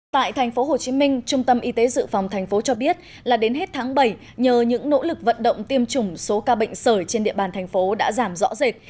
tại thành phố hồ chí minh trung tâm y tế dự phòng thành phố cho biết là đến hết tháng bảy nhờ những nỗ lực vận động tiêm chủng số ca bệnh sởi trên địa bàn thành phố đã giảm rõ rệt